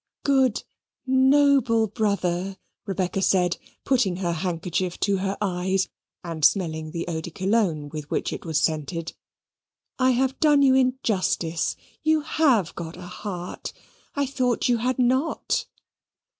"Good noble brother!" Rebecca said, putting her handkerchief to her eyes, and smelling the eau de cologne with which it was scented. "I have done you injustice: you have got a heart. I thought you had not."